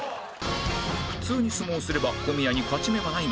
普通に相撲をすれば小宮に勝ち目はないが